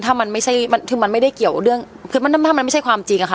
ถ้ามันไม่ใช่เกี่ยวเรื่องถ้ามันไม่ใช่ความจริงนะคะ